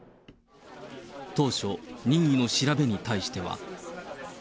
当初、任意の調べに対しては。